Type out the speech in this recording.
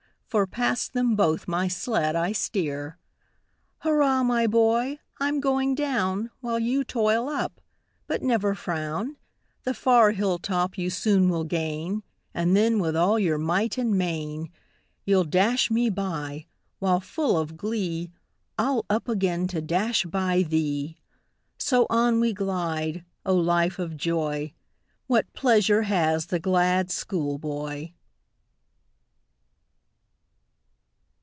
For past them both my sled I steer. Hurra! my boy! I'm going down, While you toil up; but never frown; The far hill top you soon will gain, And then, with all your might and main, You'll dash by me; while, full of glee, I'll up again to dash by thee! So on we glide O, life of joy; What pleasure has the glad school boy!